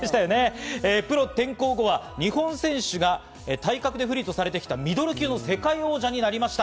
プロ転向後は日本選手が体格で不利とされてきたミドル級の世界王者になりました。